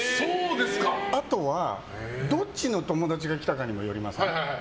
あとは、どっちの友達が来たかによりますね。